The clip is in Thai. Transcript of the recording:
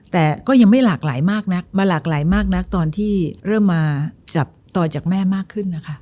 แต่ก็ยังไม่หลากหลายมากนักมาหลากหลายมากนักตอนที่เริ่มมาจับต่อจากแม่มากขึ้นนะคะ